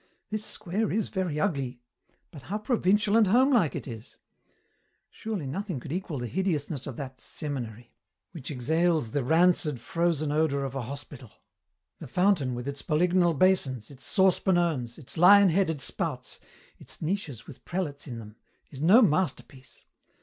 "This square is very ugly, but how provincial and homelike it is! Surely nothing could equal the hideousness of that seminary, which exhales the rancid, frozen odour of a hospital. The fountain with its polygonal basins, its saucepan urns, its lion headed spouts, its niches with prelates in them, is no masterpiece.